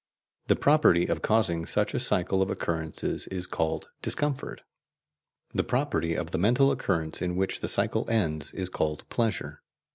The property of causing such a cycle of occurrences is called "discomfort"; the property of the mental occurrences in which the cycle ends is called "pleasure."